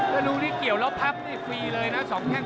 และรุที่เกี่ยวเราพับฟรีเลยนะ๒แข้งถึง